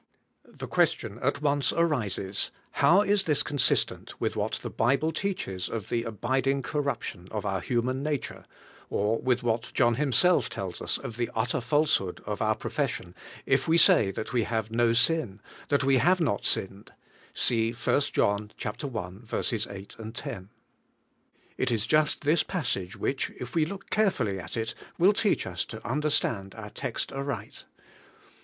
The question at once arises: How is this consistent with what the Bible teaches of the abiding corruption of our human nature, or with what John himself tells 200 ABIDE IN CHRIST: US of the utter falsehood of our profession, if we say that we have no sin, that we have not sinned? {see 1 John i, 8^ 10). It is just this passage which, if we look carefully at it, will teach us to understand our text aright.